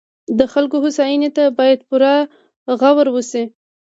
د خلکو هوساینې ته باید پوره غور وشي.